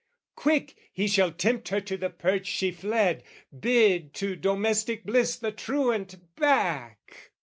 Quick, he shall tempt her to the perch she fled, Bid to domestic bliss the truant back!